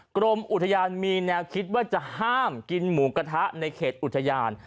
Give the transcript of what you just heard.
กรมอุทยานมีแนวคิดว่าจะห้ามกินหมูกระทะในเขตอุทยาน